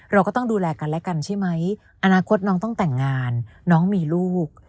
เราก็ต้องดูแลกันและกันใช่ไหมอนาคตน้องต้องแต่งงานน้องมีลูก